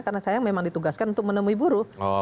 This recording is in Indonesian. karena saya memang ditugaskan untuk menemui buruh